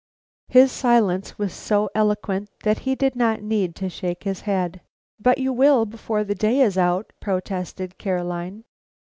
His silence was so eloquent that he did not need to shake his head. "But you will before the day is out?" protested Caroline.